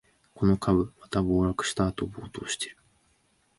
この株、また暴落したあと暴騰してる